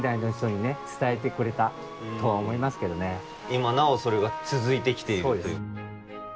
今なおそれが続いてきているという。